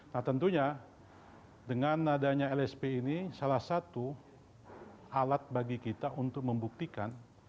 nah tentunya dengan adanya lsp ini salah satu alat bagi kita untuk membuktikan